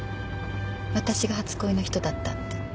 私が初恋の人だったって。